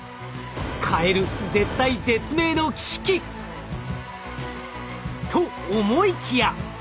カエル絶体絶命の危機！と思いきや！